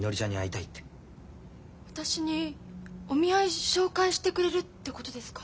私にお見合い紹介してくれるってことですか？